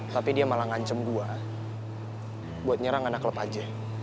tapi dia malah ngancem gue buat nyerang anak klub aja